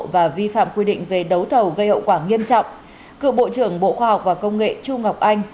và vi phạm quy định về đấu thầu gây hậu quả nghiêm trọng cựu bộ trưởng bộ khoa học và công nghệ chu ngọc anh